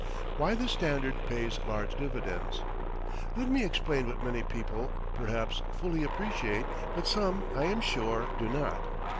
WHY THE STANDARD PAYS LARGE DIVIDENDS Let me explain what many people, perhaps, fully appreciate, but some, I am sure, do not.